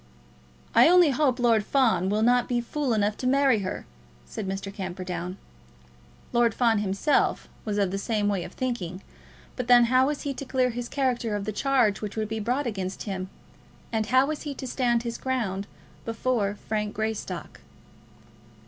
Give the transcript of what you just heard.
"I only hope Lord Fawn will not be fool enough to marry her," said Mr. Camperdown. Lord Fawn himself was of the same way of thinking; but then how was he to clear his character of the charge which would be brought against him; and how was he to stand his ground before Frank Greystock?